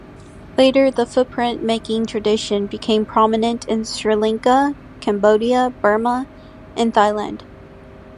Later, the footprint-making tradition became prominent in Sri Lanka, Cambodia, Burma, and Thailand.